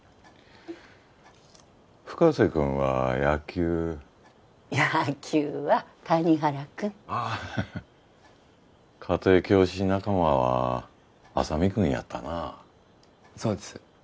深瀬君は野球野球は谷原君ああ家庭教師仲間は浅見君やったなそうです